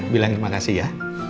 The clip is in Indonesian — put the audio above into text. bilang terima kasih ya